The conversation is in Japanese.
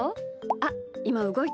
あっいまうごいた。